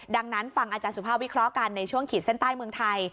ดังนั้นฟังอาจารย์สุภาพวิเคราะห์กันในช่วงขีดเส้นใต้เมืองไทย